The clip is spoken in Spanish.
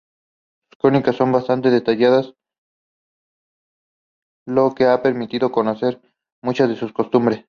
Sus crónicas son bastante detalladas, lo que ha permitido conocer muchas de sus costumbres.